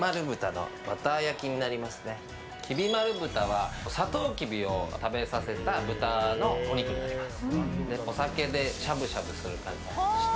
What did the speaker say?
きびまる豚はサトウキビを食べさせた豚のお肉になります。